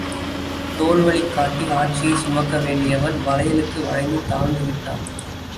தோள்வலி காட்டி ஆட்சியைச் சுமக்க வேண்டியவன் வளையலுக்கு வளைந்து தாழ்ந்து விட்டான்.